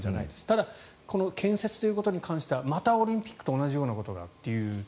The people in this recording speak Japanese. ただ、建設ということに関してはまたオリンピックと同じようなことがと。